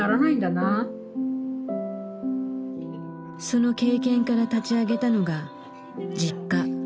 その経験から立ち上げたのがＪｉｋｋａ。